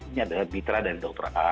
ini adalah mitra dari dokter a